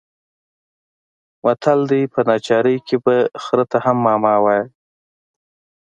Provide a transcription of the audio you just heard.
متل دی: په ناچارۍ کې به خره ته هم ماما وايې.